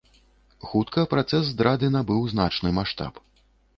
Хутка працэс здрады набыў значны маштаб.